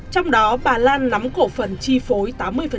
trong đó bà lan nắm cổ phần chi phối tám mươi